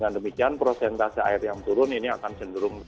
dan demikian prosentase air yang turun ini akan cenderung turun